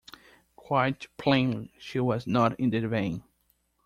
Quite plainly, she was not in the vein.